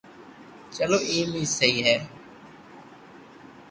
چلو ايم اي سھي ھي